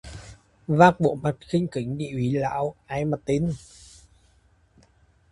Vác bộ mặt khinh khỉnh đi ủy lạo, ai mà tin